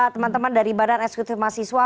teman teman dari badan eksekutif mahasiswa